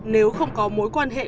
nếu không có mối quan hệ